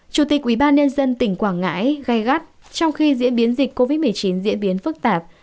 chủ tịch ubnd tỉnh quảng ngãi gai gắt trong khi diễn biến dịch covid một mươi chín diễn biến phức tạp